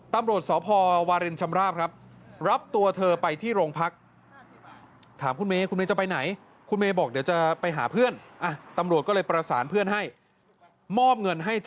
ตำรวจสพวรชำราบครับ